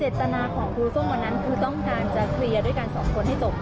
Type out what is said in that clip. ตนาของครูส้มวันนั้นคือต้องการจะเคลียร์ด้วยกันสองคนให้จบ